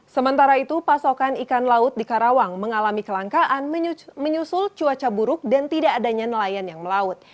sementara itu pasokan ikan laut di karawang mengalami kelangkaan menyusul cuaca buruk dan tidak adanya nelayan yang melaut